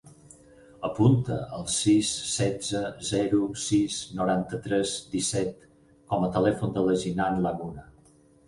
Apunta el sis, setze, zero, sis, noranta-tres, disset com a telèfon de la Jinan Laguna.